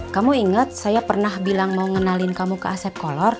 kamu ingat saya pernah bilang mau ngenalin kamu ke asep kolor